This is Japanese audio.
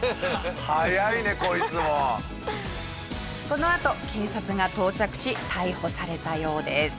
このあと警察が到着し逮捕されたようです。